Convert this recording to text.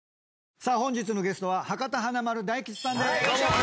さあ本日のゲストは博多華丸・大吉さん